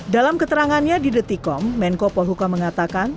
dalam keterangannya di the t com menko polhuka mengatakan